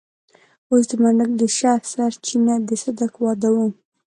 اوس د منډک د شر سرچينه د صدک واده و.